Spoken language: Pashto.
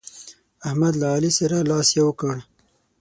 احمد له علي سره لاس يو کړ.